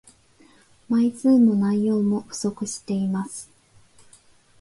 枚数も内容も不足しています